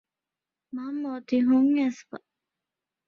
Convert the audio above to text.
މަންމަ އޮތީ ހުން އައިސްފަ